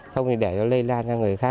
không thì để nó lây lan cho người khác